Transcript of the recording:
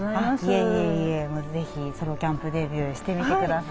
いえいえいえ是非ソロキャンプデビューしてみてください。